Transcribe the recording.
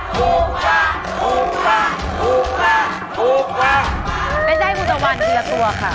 ถูกกว่าไม่ใช่พุทธวันเหลือค่ะ